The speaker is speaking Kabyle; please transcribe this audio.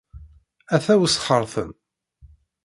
Ata usxertem!